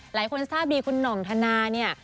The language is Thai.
หลายคนทราบดีคุณหน่องธนาเนี่ย